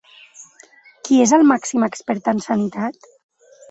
Qui és el màxim expert en sanitat?